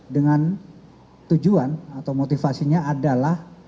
dengan tujuan atau motivasinya adalah